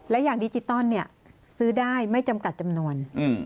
และอย่างดิจิตอลซื้อได้ไม่จำกัดจำนวน